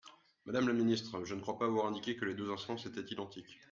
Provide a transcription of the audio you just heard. Madame la ministre, je ne crois pas avoir indiqué que les deux instances étaient identiques.